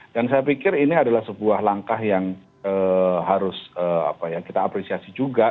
dan saya pikir ini adalah sebuah langkah yang harus kita apresiasi juga